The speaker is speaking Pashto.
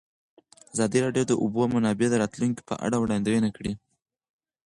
ازادي راډیو د د اوبو منابع د راتلونکې په اړه وړاندوینې کړې.